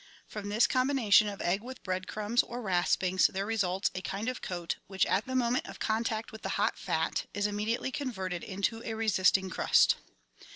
From this combination of egg with bread crumbs or raspings there results a kind of coat which, at the moment of contact with the hot fat, is immediately converted into a resisting crust.